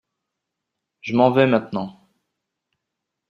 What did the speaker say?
Je m’en vais maintenant.